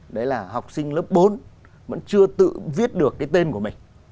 đấy là học sinh lớp bốn vẫn chưa tự viết được cái tên của mình